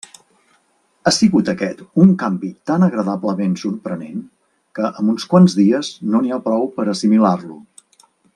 Ha sigut aquest un canvi tan agradablement sorprenent que amb uns quants dies no n'hi ha prou per a assimilar-lo.